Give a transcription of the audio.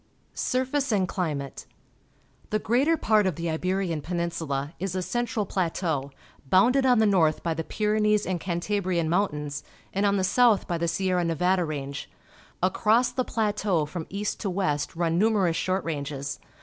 Surface and Climate. — The greater part of tlie Ibeiian Peninsula is a central plateau, bounded on the north by the Pyrenees and Cantabrian Mountains and on the south by the Sierra Nevada Range. Across the pla teau from east to west run numerous short ranges.